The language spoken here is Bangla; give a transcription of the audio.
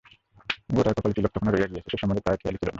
গোরার কপালে তিলক তখনো রহিয়া গেছে, সে সম্বন্ধে তাহার খেয়ালই ছিল না।